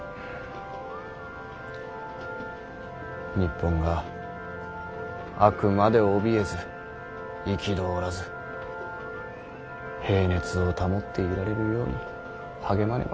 日本があくまでおびえず憤らず平熱を保っていられるように励まねば。